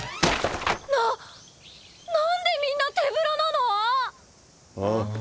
ななんでみんな手ぶらなの⁉あっ？